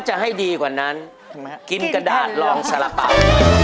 จะให้ดีกว่านั้นกินกระดาษลองสาระเป๋า